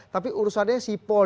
tapi urusannya sipol